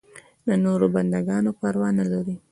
د نورو بنده ګانو پروا نه لري.